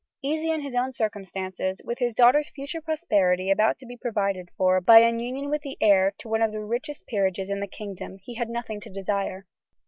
Easy in his own circumstances, with his daughter's future prosperity about to be provided for by an union with the heir to one of the richest peerages in the kingdom, he had nothing to desire.